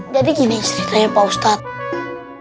jadi gini ceritanya pak ustadz